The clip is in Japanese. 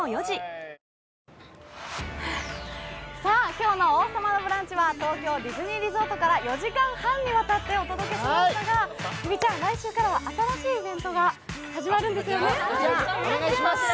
今日の「王様のブランチ」は東京ディズニーリゾートから４時間半にわたってお届けしましたが日比ちゃん、来週からは新しいイベントが始まるんですよね。